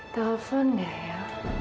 telepon gak ya